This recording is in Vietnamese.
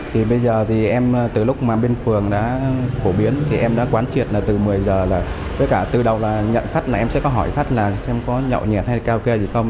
thì bây giờ thì em từ lúc mà bên phường đã phổ biến thì em đã quán triệt là từ một mươi giờ là với cả từ đầu là nhận khách là em sẽ có hỏi khách là xem có nhậu nhẹt hay keo kê gì không